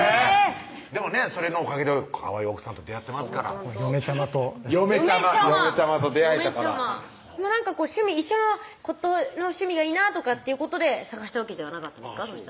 でもねそれのおかげでかわいい奥さんと出会ってますから嫁ちゃまと嫁ちゃまと出会えたから一緒の骨董の趣味がいいなとかっていうことで探したわけではなかったんですか？